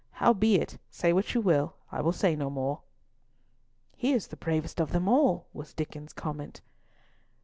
Howbeit, say what you will, I will say no more." "He is the bravest of them all!" was Diccon's comment.